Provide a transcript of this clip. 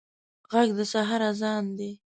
غږ د سحر اذان دی